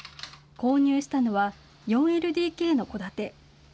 購入したのは４ＬＤＫの戸建て。